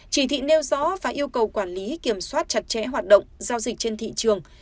chỉ thị nêu rõ và yêu cầu quản lý kiểm soát chặt chẽ hoạt động giao dịch trên thị trường